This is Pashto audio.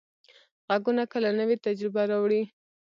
غږونه کله نوې تجربې راوړي.